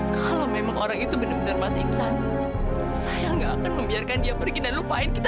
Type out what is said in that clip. kalau memang orang itu benar benar masih iksan saya enggak akan membiarkan dia pergi dan lupain kita